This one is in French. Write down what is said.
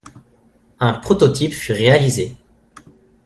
Un prototype fut réalisé.